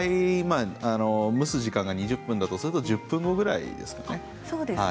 蒸す時間が２０分だとすると１０分後くらいですかね。